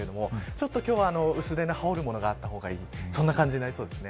ちょっと今日は薄手の羽織るものがあった方がいいという感じです。